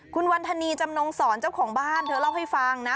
คุณวันธนีจำนงสอนเจ้าของบ้านเธอเล่าให้ฟังนะ